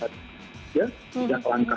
mereka akan berasal di kelas dua